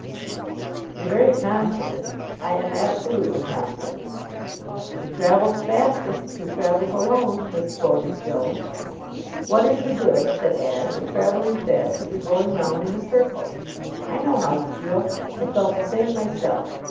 "You're very confident." "I am absolutely confident." "'She travels fastest who travels alone,'" misquoted Joan. "What is the good," said Ashe, "of traveling fast if you're going round in a circle? I know how you feel. I've felt the same myself.